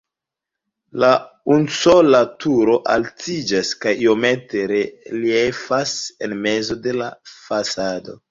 La unusola turo altiĝas kaj iomete reliefas en mezo de la fasado.